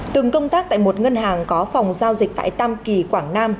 từng công tác tại một ngân hàng có phòng giao dịch tại tam kỳ quảng nam